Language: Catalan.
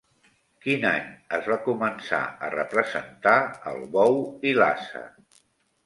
Quin any es van començar a representar el bou i l'ase?